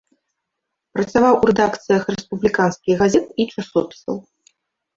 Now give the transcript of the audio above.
Працаваў у рэдакцыях рэспубліканскіх газет і часопісаў.